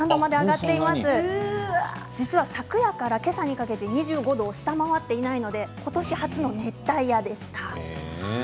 実は昨夜からけさにかけて福岡では２５度を下回っていないのでことし初の熱帯夜でした。